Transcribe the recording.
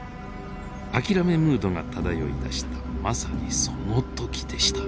諦めムードが漂いだしたまさにその時でした。